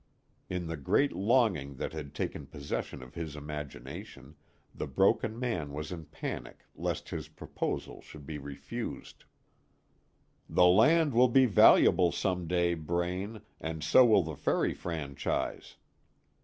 In the great longing that had taken possession of his imagination, the broken man was in panic lest his proposal should be refused. "The land will be valuable some day, Braine, and so will the ferry franchise.